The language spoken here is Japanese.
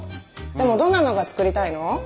でもどんなのが作りたいの？